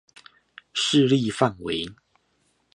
勢力範圍